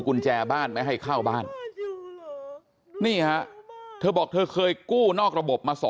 กุญแจบ้านไม่ให้เข้าบ้านนี่ฮะเธอบอกเธอเคยกู้นอกระบบมา๒